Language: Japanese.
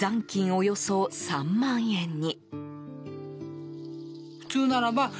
およそ３万円に。